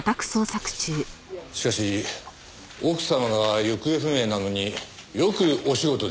しかし奥様が行方不明なのによくお仕事できますね。